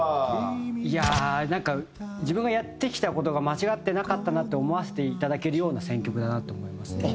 なんか自分がやってきた事が間違ってなかったなって思わせていただけるような選曲だなって思いますね。